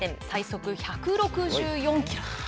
最速１６４キロ